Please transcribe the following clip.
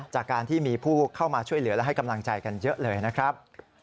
จากการที่มีผู้เข้ามาช่วยเหลือและให้กำลังใจกันเยอะเลยนะครับ